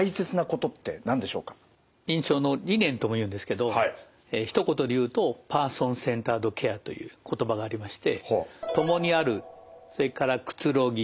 認知症の理念ともいうんですけどひと言で言うとパーソン・センタード・ケアという言葉がありまして。